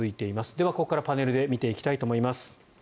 では、ここからパネルで見ていきたいと思います。